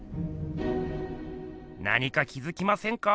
何か気づきませんか？